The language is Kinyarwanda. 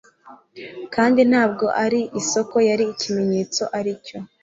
Kandi ntabwo ari isoko yari ikimenyetso aricyo